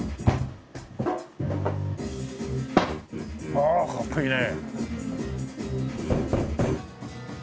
ああかっこいいね。